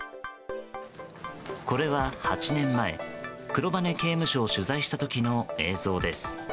これは８年前黒羽刑務所を取材した時の映像です。